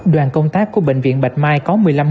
đoàn công tác của bệnh viện bạch mai có một mươi bác sĩ